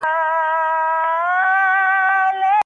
عمر په خپلو سترګو دا منظر ولید.